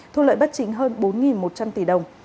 thu lợi bất chính hơn bốn một trăm linh tỷ đồng